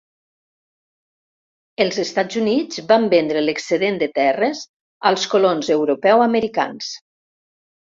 Els Estats Units van vendre l'excedent de terres als colons europeu-americans.